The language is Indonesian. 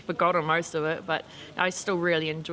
ternyata gua ini ada di dalamnya